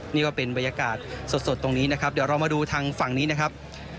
นี่ก็เป็นบรรยากาศสดตรงนี้นะครับเดี๋ยวเรามาดูทางฝั่งนี้นะครับ